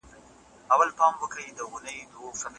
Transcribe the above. نه د رحمن بابا، نه د خوشحال خټک، نه د حمید ماشوخېل